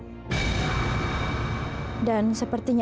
oka sudah pergi kak